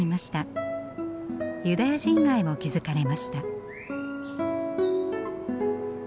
ユダヤ人街も築かれました。